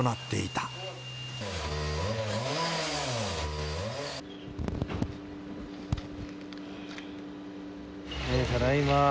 ただいま